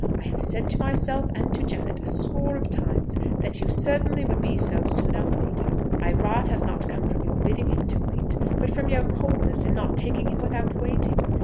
I have said to myself and to Janet a score of times that you certainly would be so sooner or later. My wrath has not come from your bidding him to wait, but from your coldness in not taking him without waiting.